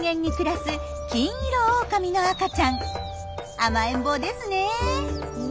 甘えん坊ですねえ。